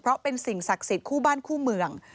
เพราะเป็นสิ่งศักดิ์สิทธิ์คู่บ้านคู่เมือง